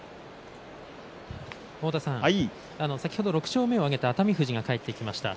先ほど６勝目を挙げた熱海富士が帰ってきました。